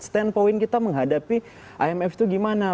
stand point kita menghadapi imf itu gimana